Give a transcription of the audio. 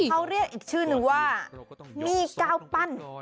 เขาเรียกอีกชื่อนึงว่ามีก้าวปั้น